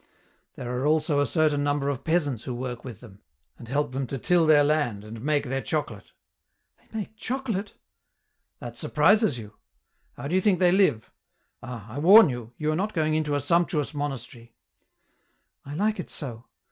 There are also a certain number of peasants who work with them, and help them to till their land, and make their chocolate." " They make chocolate !"" That surprises you. How do you think they live ? Ah ! I warn you, you are not going into a sumptuous monastery," " I like it so.